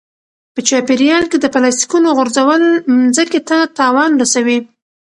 په چاپیریال کې د پلاستیکونو غورځول مځکې ته تاوان رسوي.